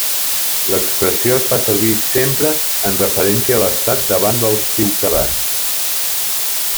L'expressió es fa servir sempre en referència a l'Estat davant dels ciutadans.